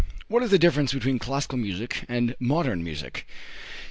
What is the difference between classical and modern music?